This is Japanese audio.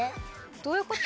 どういうこと？